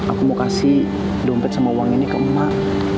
aku mau kasih dompet sama uang ini ke emak